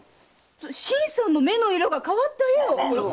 新さんの目の色が変わったよ。